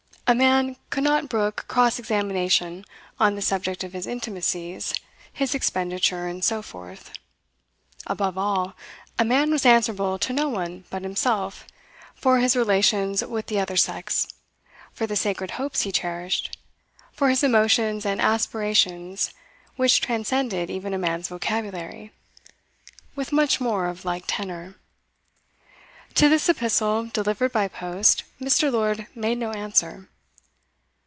A man could not brook cross examination on the subject of his intimacies, his expenditure, and so forth. Above all, a man was answerable to no one but himself for his relations with the other sex, for the sacred hopes he cherished, for his emotions and aspirations which transcended even a man's vocabulary. With much more of like tenor. To this epistle, delivered by post, Mr. Lord made no answer.